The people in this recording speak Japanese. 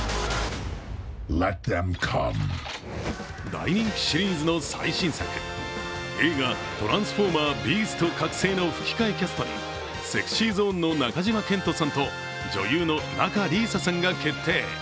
大人気シリーズの最新作、映画「トランスフォーマー／ビースト覚醒」の吹き替えキャストにＳｅｘｙＺｏｎｅの中島健人さんと女優の仲里依紗さんが決定。